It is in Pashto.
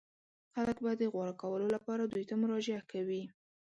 خلک به د غوره کولو لپاره دوی ته مراجعه کوي.